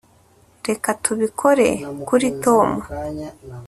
reka tubikore kuri tom